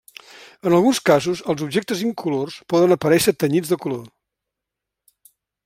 En alguns casos, els objectes incolors poden aparèixer tenyits de color.